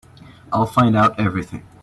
I'll find out everything.